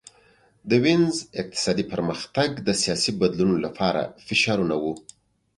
د وینز اقتصادي پرمختګ د سیاسي بدلونونو لپاره فشارونه وو